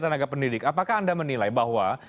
tenaga pendidik apakah anda menilai bahwa